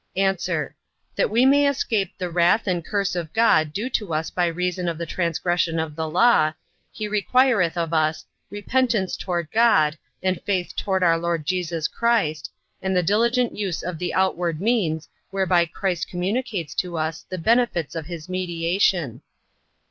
A. That we may escape the wrath and curse of God due to us by reason of the transgression of the law, he requireth of us repentance toward God, and faith toward our Lord Jesus Christ, and the diligent use of the outward means whereby Christ communicates to us the benefits of his mediation.